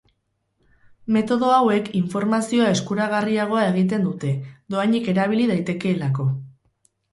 Metodo hauek informazioa eskuragarriagoa egiten dute, dohainik erabili daitekeelako.